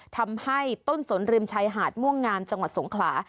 ทำให้ต้นสนริมชายหาดม่วงงามจังหวัดสงขลา